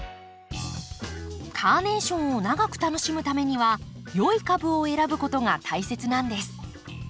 カーネーションを長く楽しむためには良い株を選ぶことが大切なんです。